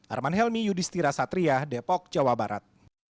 arman helmi yudhistira satria depok jawa barat